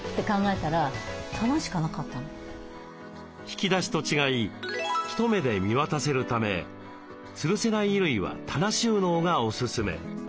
引き出しと違い一目で見渡せるためつるせない衣類は棚収納がおすすめ。